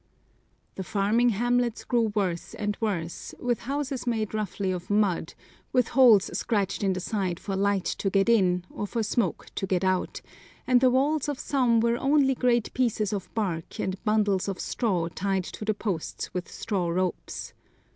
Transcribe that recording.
The farming hamlets grew worse and worse, with houses made roughly of mud, with holes scratched in the side for light to get in, or for smoke to get out, and the walls of some were only great pieces of bark and bundles of straw tied to the posts with straw ropes.